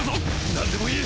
何でもいい！